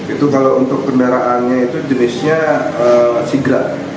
itu kalau untuk kendaraannya itu jenisnya sigrat